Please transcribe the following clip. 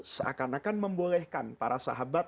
seakan akan membolehkan para sahabat